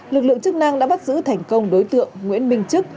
lực lượng chức năng đã bắt giữ thành công đối tượng nguyễn minh chức